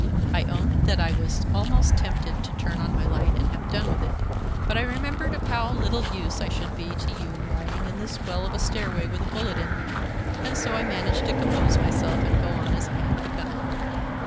I own that I was almost tempted to turn on my light and have done with it, but I remembered of how little use I should be to you lying in this well of a stairway with a bullet in me, and so I managed to compose myself and go on as I had begun.